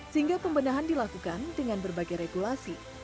sehingga pembenahan dilakukan dengan berbagai regulasi